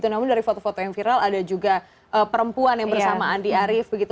namun dari foto foto yang viral ada juga perempuan yang bersama andi arief begitu